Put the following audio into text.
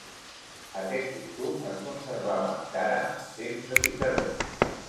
Aquest costum es conservava encara en temps de Ciceró.